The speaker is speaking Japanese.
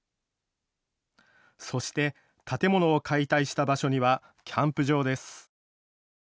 そして、建物を解体した場所にはキャンプ場です。